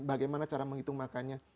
bagaimana cara menghitung makannya